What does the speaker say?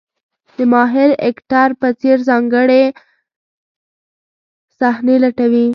د ماهر اکټر په څېر ځانګړې صحنې لټوي.